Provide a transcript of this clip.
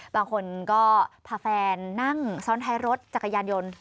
บางคนก็พาแฟนนั่งซ้อนท้ายรถจักรยานยนต์